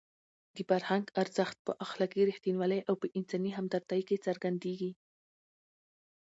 د فرهنګ ارزښت په اخلاقي رښتینولۍ او په انساني همدردۍ کې څرګندېږي.